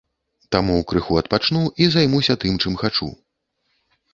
Таму крыху адпачну і займуся тым, чым хачу.